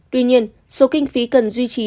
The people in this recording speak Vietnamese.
tuy nhiên số kinh phí cần duy trì